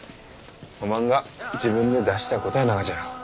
おまんが自分で出した答えながじゃろう。